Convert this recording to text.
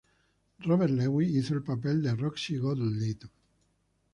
Robert Lewis hizo el papel de Roxy Gottlieb.